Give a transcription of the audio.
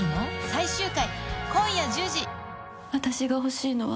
最終回、今夜１０時。